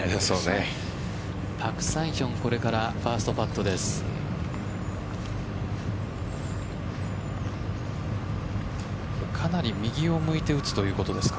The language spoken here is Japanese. パク・サンヒョン、これからファーストパットです。